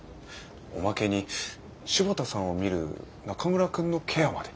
おまけに柴田さんを見る中村くんのケアまで。